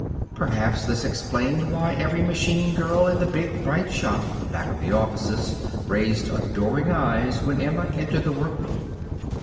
Perhaps this explained why every machine girl in the big, bright shop back of the offices raised adoring eyes when Emma entered the workroom.